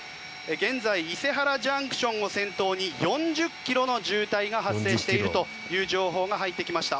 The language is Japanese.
現在、伊勢原ＪＣＴを先頭に４０ｋｍの渋滞が発生しているという情報が入ってきました。